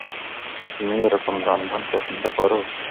তুমি এরকম রন্ধন পছন্দ করো?